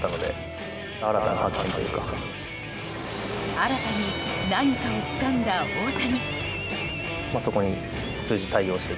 新たに何かをつかんだ大谷。